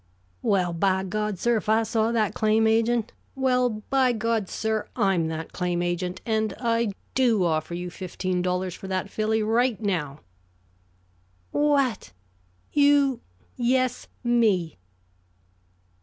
"Well, by God, sir, if I saw that claim agent " "Well, by God, sir, I'm that claim agent; and I do offer you fifteen dollars for that filly, right now!" "What! You " "Yes, me!"